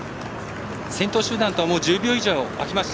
先頭集団とはもう１０秒以上、開きました。